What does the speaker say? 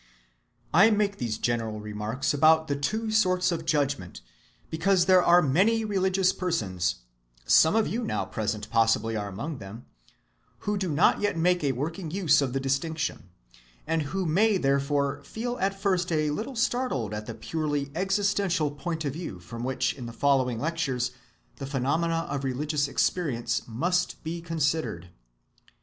‐‐‐‐‐‐‐‐‐‐‐‐‐‐‐‐‐‐‐‐‐‐‐‐‐‐‐‐‐‐‐‐‐‐‐‐‐ I make these general remarks about the two sorts of judgment, because there are many religious persons—some of you now present, possibly, are among them—who do not yet make a working use of the distinction, and who may therefore feel at first a little startled at the purely existential point of view from which in the following lectures the phenomena of religious experience must be considered.